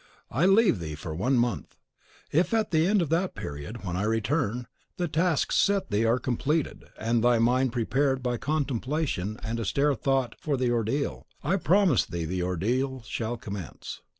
I leave thee for one month; if at the end of that period, when I return, the tasks set thee are completed, and thy mind prepared by contemplation and austere thought for the ordeal, I promise thee the ordeal shall commence.